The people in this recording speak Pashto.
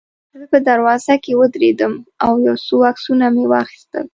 زه په دروازه کې ودرېدم او یو څو عکسونه مې واخیستل.